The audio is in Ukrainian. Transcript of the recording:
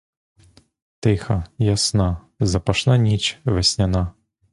Тиха, ясна, запашна ніч весняна!